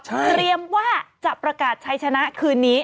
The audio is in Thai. เตรียมว่าจะประกาศใช้ชนะคืนนี้